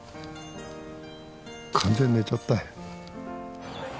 完全に寝ちゃったよ。